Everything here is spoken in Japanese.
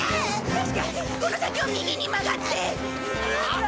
確かこの先を右に曲がって。